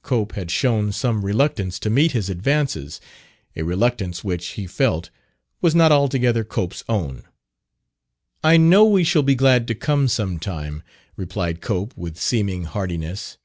Cope had shown some reluctance to meet his advances a reluctance which, he felt, was not altogether Cope's own. "I know we shall be glad to come sometime," replied Cope, with seeming heartiness.